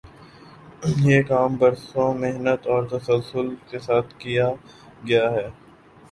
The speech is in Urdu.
یہ کام برسوں محنت اور تسلسل کے ساتھ کیا گیا ہے۔